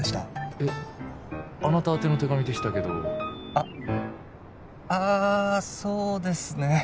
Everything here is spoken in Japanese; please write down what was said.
えあなた宛ての手紙でしたけどあああそうですね